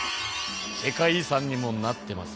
世界遺産にもなってます。